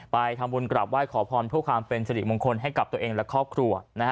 ไปทำบุญกลับไหว้ขอพรเพื่อความเป็นสิริมงคลให้กับตัวเองและครอบครัว